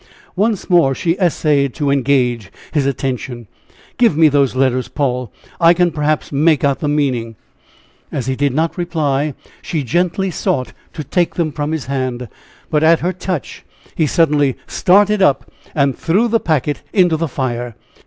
Once more she essayed to engage his attention. "Give me those letters, Paul I can perhaps make out the meaning." As he did not reply, she gently sought to take them from his hand. But at her touch he suddenly started up and threw the packet into the fire.